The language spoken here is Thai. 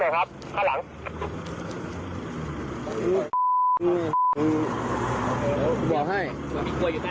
มีกล้วยติดอยู่ใต้ท้องเดี๋ยวพี่ขอบคุณ